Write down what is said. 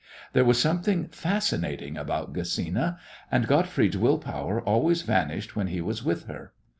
There was something fascinating about Gesina, and Gottfried's will power always vanished when he was with her.